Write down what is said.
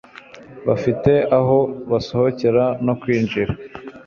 Bafite aho basohokera no kwinjira